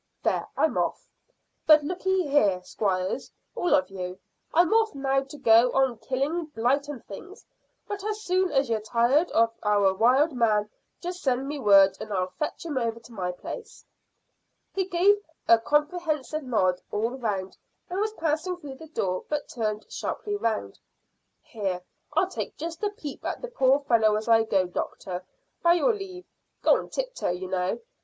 There, I'm off. But lookye here, squires, all of you. I'm off now to go on killing blight and things, but as soon as you're tired of our wild man, just send me word, and I'll fetch him over to my place." He gave a comprehensive nod all round and was passing through the door, but turned sharply round. "Here, I'll just take a peep at the poor fellow as I go, doctor, by your leave Go on tip toe, you know.